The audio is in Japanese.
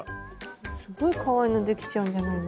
すっごいかわいいのできちゃうんじゃないの？